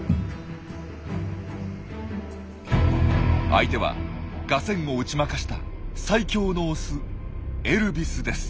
相手はガセンを打ち負かした最強のオス・エルビスです。